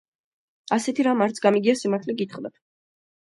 ასეთი რამ არც გამიგია, სიმართლე გითხრათ.